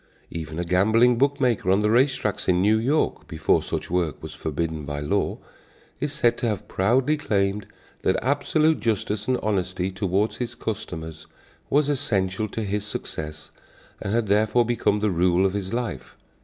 Even a gambling book maker on the race tracks in New York, before such work was forbidden by law, is said to have proudly claimed that absolute justice and honesty toward his customers was essential to his success and had therefore become the rule of his life.